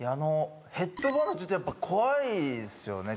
ヘッドバンドちょっとやっぱ怖いですよね